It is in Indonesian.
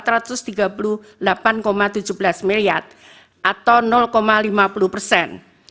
rp delapan tujuh belas miliar atau lima puluh persen